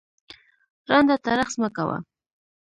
ړانده ته رخس مه کوه